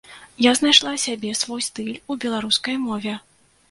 Я знайшла сябе, свой стыль у беларускай мове.